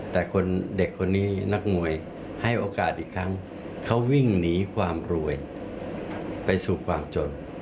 แต่คนเด็กคนนี้นักมวยให้โอกาสอีกครั้งเขาวิ่งหนีความรวยไปสู่ความจน